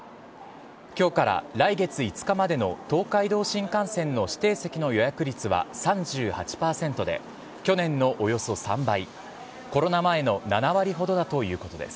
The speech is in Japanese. きょうから来月５日までの東海道新幹線の指定席の予約率は３８％で、去年のおよそ３倍、コロナ前の７割ほどだということです。